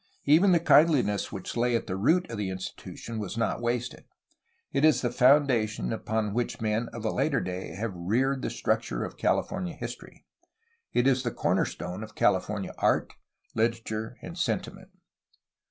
Even the kindliness which lay at the root of the institution was not wasted. It is the foun dation upon which men of a later day have reared the struc ture of California history. It is the cornerstone of California art, Hterature, and sentiment.